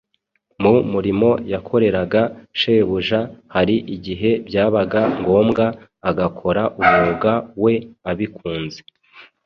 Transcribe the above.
Mu murimo yakoreraga Shebuja, hari igihe byabaga ngombwa agakora umwuga we abikunze.